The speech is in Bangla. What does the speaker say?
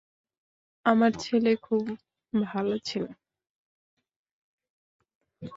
আমার ছেলে খুব ভালো ছেলে।